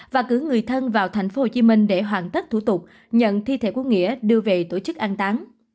và cử người thân vào thành phố hồ chí minh để hoàn tất thủ tục nhận thi thể quốc nghĩa đưa về tổ chức an tán